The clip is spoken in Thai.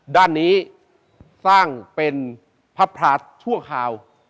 ด้านนี้สร้างเป็นพระพราชชั่วคราว